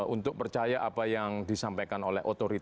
untuk percaya apa yang disampaikan oleh orang orang